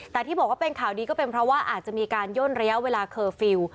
แต่ที่บอกว่าเป็นข่าวดีก็เป็นเพราะว่าอาจจะมีการย่นระยะเวลาเคอร์ฟิลล์